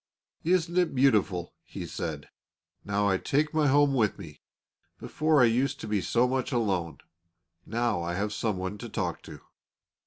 "Isn't it beautiful?" he said; "now I take my home with me; before I used to be so much alone. Now I have someone to talk to."